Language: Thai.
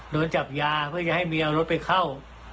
โดนจับยาเพื่อจะให้เมียเอารถไปเข้า